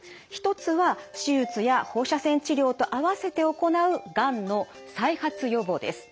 １つは手術や放射線治療と合わせて行うがんの再発予防です。